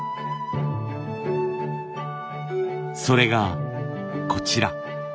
それがこちら。